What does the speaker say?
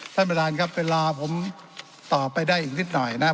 ท่านประธานครับเวลาผมตอบไปได้อีกนิดหน่อยนะครับ